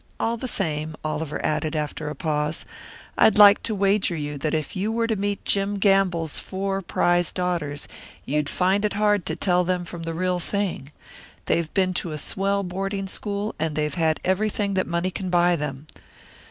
All the same," Oliver added, after a pause, "I'd like to wager you that if you were to meet Jim Gamble's four prize daughters, you'd find it hard to tell them from the real thing. They've been to a swell boarding school, and they've had everything that money can buy them.